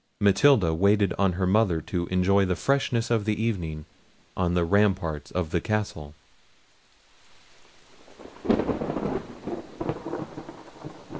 Matilda waited on her mother to enjoy the freshness of the evening on the ramparts of the castle.